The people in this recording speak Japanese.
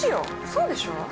そうでしょ？